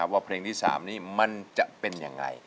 ว่าเพลงที่๓นี้มันจะเป็นยังไง